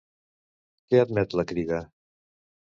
Què admet la Crida?